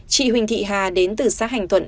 chị huỳnh thị hà đến từ xã hành tuận